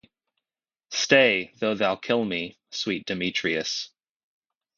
Stay, though thou kill me, sweet Demetrius.